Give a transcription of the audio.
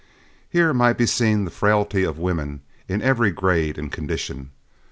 Here might be seen the frailty of women in every grade and condition.